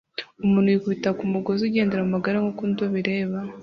Umuntu yikubita kumusozi ugendera mumagare nkuko undi abireba